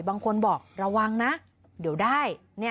บางคนบอกระวังนะเดี๋ยวได้